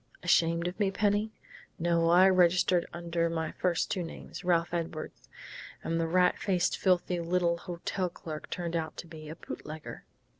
"Ashamed of me, Penny?... No, I registered under my first two names Ralph Edwards. And the rat faced, filthy little hotel clerk turned out to be a bootlegger....